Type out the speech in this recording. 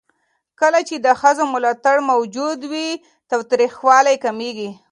کله چې د ښځو ملاتړ موجود وي، تاوتريخوالی کمېږي.